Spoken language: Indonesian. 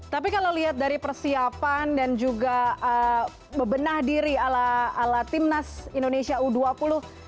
tapi kalau lihat dari persiapan dan juga bebenah diri ala timnas indonesia u dua puluh